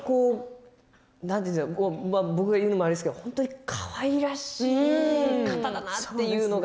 僕が言うのもなんですが本当にかわいらしい方だなというのが。